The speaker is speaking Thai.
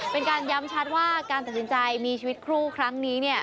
เป็นการย้ำชัดว่าการตัดสินใจมีชีวิตครูครั้งนี้